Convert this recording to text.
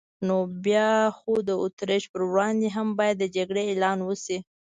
نو بیا خو د اتریش پر وړاندې هم باید د جګړې اعلان وشي.